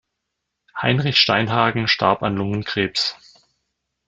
Heinrich Steinhagen starb an Lungenkrebs.